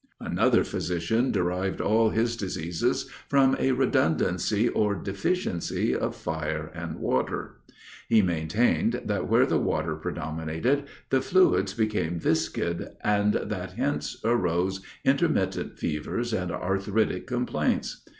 Another physician derived all his diseases from a redundancy or deficiency of fire and water. He maintained that where the water predominated, the fluids became viscid, and that hence arose intermittent fevers and arthritic complaints.